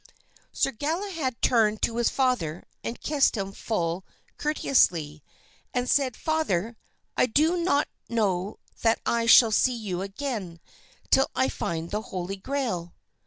Sir Galahad turned to his father and kissed him full courteously and said, "Father, I do not know that I shall see you again till I find the Holy Grail."